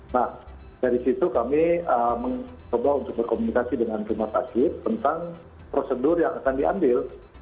nah dari situ kami mencoba untuk berkomunikasi dengan rumah sakit tentang prosedur yang akan diambil